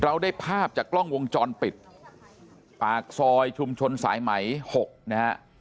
เราได้ภาพจากกล้องวงจรปิดปากซอยชุมชนสายไหม๖นะฮะ